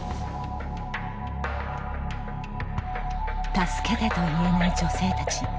助けてと言えない女性たち。